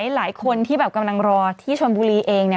หลายคนที่แบบกำลังรอที่ชนบุรีเองเนี่ย